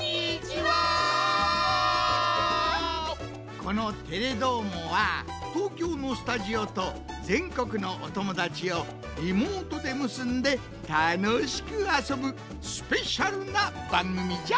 この「テレどーも！」は東京のスタジオとぜんこくのおともだちをリモートでむすんでたのしくあそぶスペシャルなばんぐみじゃ。